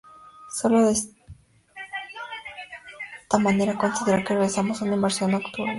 Sólo de esta manera podremos considerar que realizamos una inmersión nocturna.